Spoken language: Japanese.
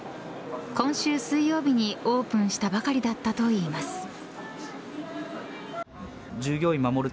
今週水曜日にオープンしたばかりだったといいます。